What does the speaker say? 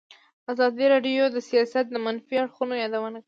ازادي راډیو د سیاست د منفي اړخونو یادونه کړې.